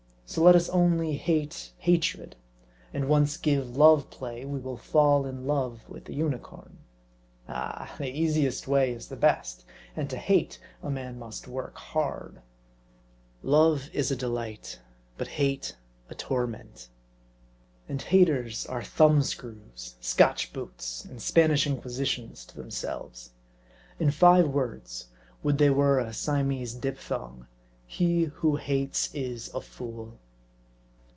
So, let us only hate hatred ; and once give love play, we will fall in love with a unicorn. Ah ! the easiest way is the best ; and to hate, a man must work hard. Love is a delight ; but hate a torment. And haters are thumbscrews, Scotch boots, and Spanish inquisitions to themselves. In five words would they were a Siamese diphthong he who hates is a fool.